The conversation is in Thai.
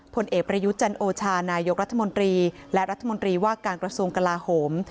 ผลเอกประยุทธ์จันโอชานายกรัฐมนตรีและรัฐมนตรีว่าการกระทรวงกลาโหม